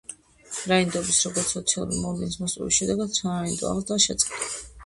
რაინდობის, როგორც სოციალურ მოვლენის, მოსპობის შედეგად სარაინდო აღზრდა შეწყდა.